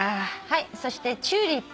そしてチューリップ。